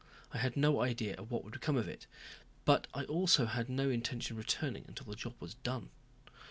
I had no idea of what would come if it, but I also had no intention of returning until the job was done.